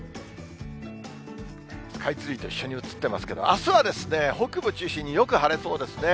スカイツリーと一緒に映ってますけど、あすは北部中心に、よく晴れそうですね。